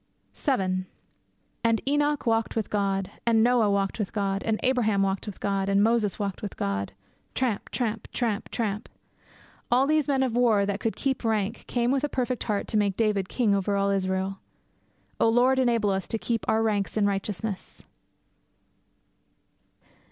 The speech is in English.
VII 'And Enoch walked with God.' 'And Noah walked with God.' 'And Abraham walked with God.' 'And Moses walked with God.' Tramp! tramp! tramp! tramp! 'All these men of war that could keep rank came with a perfect heart to make David king over all Israel.' 'O Lord, enable us to keep our ranks in righteousness!'